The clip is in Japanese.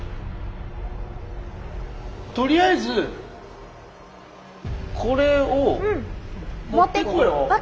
とりあえずこれを持ってこよう。